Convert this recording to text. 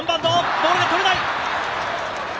ボールが取れない。